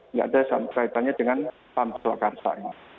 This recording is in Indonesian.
tidak ada kaitannya sama pams waka rasa